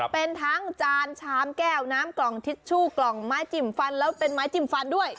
เป็นทั้งจานชามแก้วน้ำกล่องทิชชู่กล่องไม้จิ้มฟันแล้วเป็นไม้จิ้มฟันด้วย